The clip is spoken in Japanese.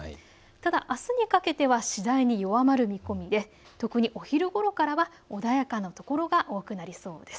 ただ、あすにかけては次第に弱まる見込みで特にお昼ごろからは穏やかな所が多くなりそうです。